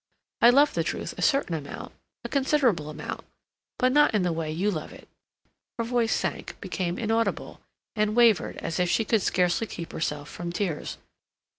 I love the truth a certain amount—a considerable amount—but not in the way you love it." Her voice sank, became inaudible, and wavered as if she could scarcely keep herself from tears.